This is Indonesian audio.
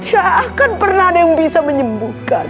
ya akan pernah ada yang bisa menyembuhkan